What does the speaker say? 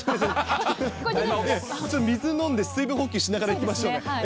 水飲んで、水分補給しながらいきましょうね。